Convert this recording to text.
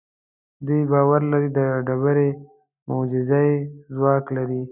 دوی باور لري دا ډبرې معجزه اي ځواک لري.